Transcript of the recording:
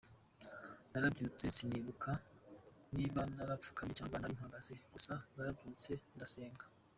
Narabyutse sinibuka niba narapfukamye cyangwa nari mpagaze, gusa narabyutse ndasenga.